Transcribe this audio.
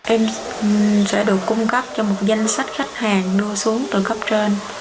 em sẽ được cung cấp cho một danh sách khách hàng đưa xuống từ cấp trên